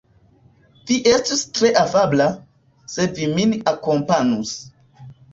Vi estus tre afabla, se vi min akompanus.